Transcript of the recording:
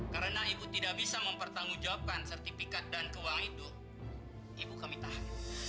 karena ibu tidak bisa mempertanggungjawabkan sertifikat dan uang itu ibu kami tahan